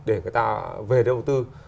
để người ta về đầu tư